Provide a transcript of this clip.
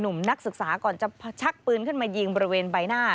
นักศึกษาก่อนจะชักปืนขึ้นมายิงบริเวณใบหน้า